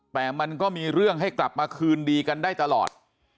แต่มันก็มีเรื่องให้กลับมาคืนดีกันได้ตลอด